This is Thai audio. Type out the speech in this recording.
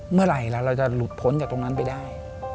เมื่อไหร่แล้วเราจะหลุดพ้นจากตรงนั้นไปได้